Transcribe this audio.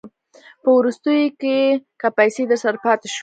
په وروستیو کې که پیسې درسره پاته شوې